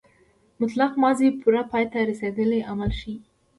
مطلق ماضي پوره پای ته رسېدلی عمل ښيي.